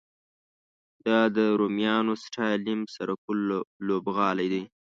دا د رومیانو سټایل نیم سرکلر لوبغالی دی.